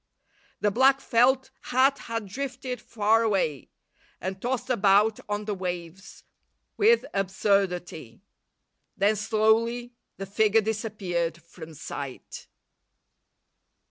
The black felt hat had drifted far away, and tossed about on the waves with absurdity. Then, slowly, the figure disappeared from sight.